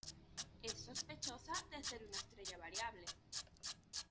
Es sospechosa de ser una estrella variable.